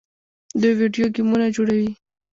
دوی ویډیو ګیمونه جوړوي.